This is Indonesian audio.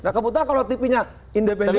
nah kebetulan kalau tv nya independen